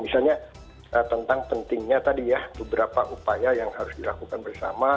misalnya tentang pentingnya tadi ya beberapa upaya yang harus dilakukan bersama